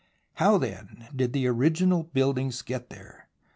How, then, did the original buildings get there